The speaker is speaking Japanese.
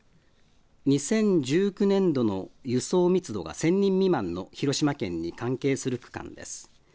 ２０１９年度の輸送密度が１０００人未満の広島県に関係する区間です。